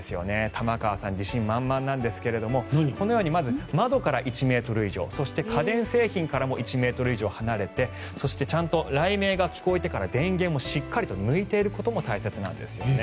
玉川さん、自信満々なんですが窓から１ｍ以上そして家電製品からも１ｍ以上離れてそしてちゃんと雷鳴が聞こえてから電源をしっかり抜いていることも大切なんですよね。